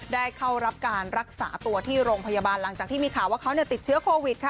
เข้ารับการรักษาตัวที่โรงพยาบาลหลังจากที่มีข่าวว่าเขาติดเชื้อโควิดค่ะ